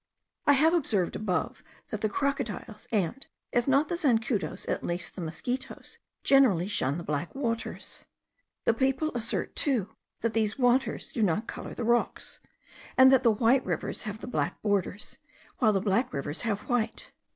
I have observed above, that the crocodiles, and, if not the zancudos, at least the mosquitos, generally shun the black waters. The people assert too, that these waters do not colour the rocks; and that the white rivers have black borders, while the black rivers have white.